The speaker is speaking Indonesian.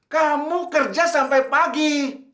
kamu kerja sampai pagi